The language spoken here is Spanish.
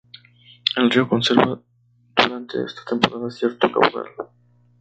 El río conserva durante esta temporada cierto caudal.